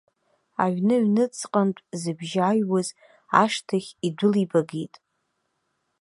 Аҩны аҩныҵҟантә зыбжьы ааҩуаз ашҭахь идәылибагеит.